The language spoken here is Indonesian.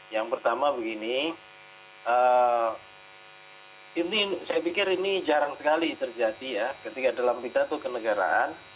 yang pertama begini saya pikir ini jarang sekali terjadi ya ketika dalam pidato kenegaraan